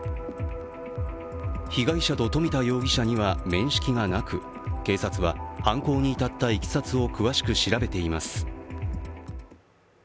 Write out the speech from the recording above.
被害者と富田容疑者には面識がなく警察は、犯行に至ったいきさつを詳しく調べています。